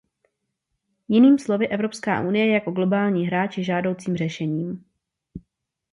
Jiným slovy, Evropská unie jako globální hráč je žádoucím řešením.